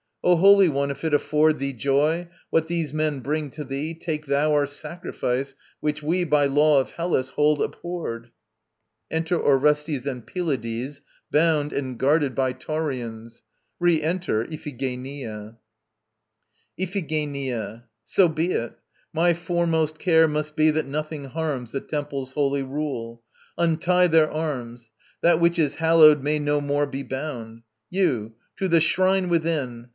O holy one, if it afford Thee joy, what these men bring to thee, Take thou their sacrifice, which we, By law of Hellas, hold abhorred. [Enter ORESTES and PYLADES, bound, and guarded by taurians. re enter IPHIGENIA.] IPHIGENIA. So be it. My foremost care must be that nothing harms The temple's holy rule. Untie their arms. That which is hallowed may no more be bound. You, to the shrine within!